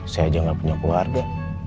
saya aja gak punya keluarga